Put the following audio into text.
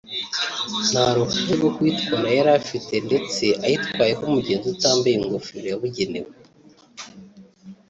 nta ruhushya rwo kuyitwara yari afite ndetse ayitwayeho umugenzi utambaye ingofero yabugenewe